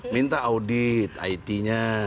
minta audit it nya